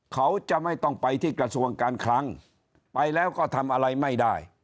เขาจะไม่ต้องไปที่กระทรวงการคลังไปแล้วก็ทำอะไรไม่ได้